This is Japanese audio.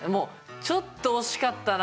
ちょっと惜しかったな。